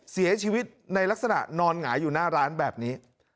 เสียชีวิตในลักษณะนอนหงายอยู่หน้าร้านแบบนี้